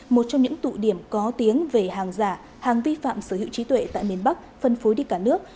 một trong những tụ điểm có tiếng về hàng giả hàng vi phạm sở hữu trí tuệ tại miền bắc phân phối đi cả nước